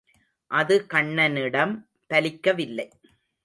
அது கண்ணனிடம் பலிக்கவில்லை.